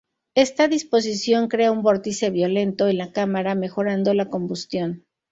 Esta disposición crea un vórtice violento en la cámara, mejorando la combustión.